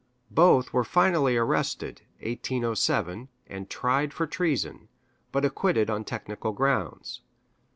Both were finally arrested (1807), and tried for treason, but acquitted on technical grounds.